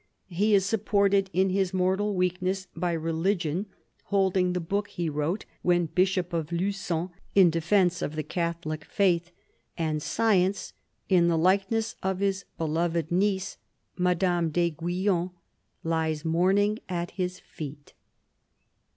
He is supported in his mortal weakness by Religion, holding the book he wrote, when Bishop of Lugon, in defence of the Catholic Faith; and Science — in the likeness of his beloved niece, Madame d'Aiguillon — lies mourning at his feet.